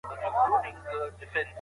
د هغه کوټه ډیره تیاره ده.